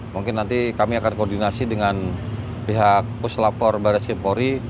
mungkin nanti kami akan koordinasi dengan pihak puslapor baris krimpori